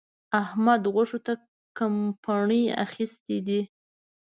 احمد؛ غوښو ته کپڼۍ اخيستی دی.